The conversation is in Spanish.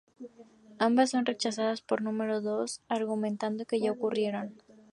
Ambas son rechazadas por Número Dos argumentando que ya ocurrieron.